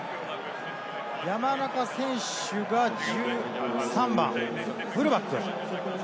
山中選手が１３番、フルバック。